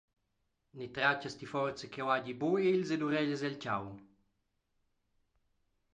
Ni tratgas ti forsa ch’jeu hagi buca egls ed ureglias el tgau?